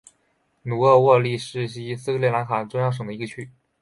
努沃勒埃利耶区是斯里兰卡中央省的一个区。